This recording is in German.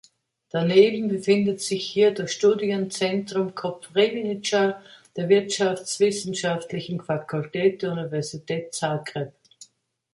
Daneben befindet sich hier das Studienzentrum Koprivnica der Wirtschaftswissenschaftlichen Fakultät der Universität Zagreb.